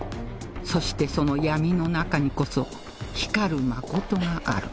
そしてその闇の中にこそ光る真がある